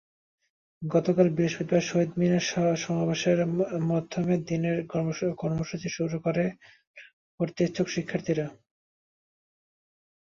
গতকাল বৃহস্পতিবারও শহীদ মিনারে সমাবেশের মাধ্যমে দিনের কর্মসূচি শুরু করেন ভর্তি-ইচ্ছুক শিক্ষার্থীরা।